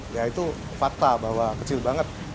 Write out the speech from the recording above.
ya itu fakta bahwa kecil banget